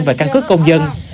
và căn cứ công dân